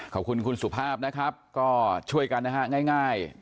ขอบคุณคุณสุภาพนะครับก็ช่วยกันนะฮะง่าย